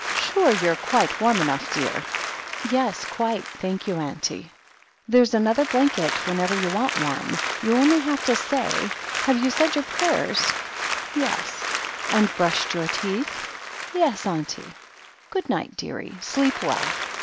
"Sure you're quite warm enough, dear?" "Yes, quite, thank you, auntie." "There's another blanket whenever you want one. You've only to say. Have you said^your prayers?" 24 THE HEEL OF ACHILLES "Yes." "And brushed your teeth?" "Yes, auntie." "Good night, dearie. Sleep well."